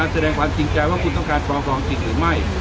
แสดงความจริงใจว่าคุณต้องการปกครองจริงหรือไม่